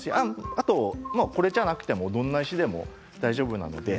あとは、これではなくてもどんな石でも大丈夫です。